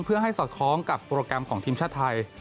เพื่อให้สอดคล้องกับโปรแกรมของทีมชาติไทย